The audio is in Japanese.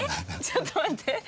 ちょっと待って。